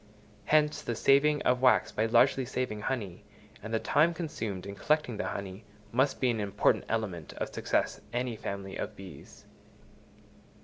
Hence the saving of wax by largely saving honey, and the time consumed in collecting the honey, must be an important element of success any family of bees.